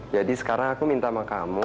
jadi sekarang aku minta sama kamu